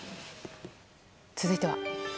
続いては。